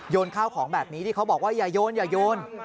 โยนข้าวของแบบนี้ที่เขาบอกว่าอย่าโยน